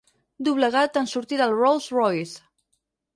Doblegat en sortir del Rolls Royce.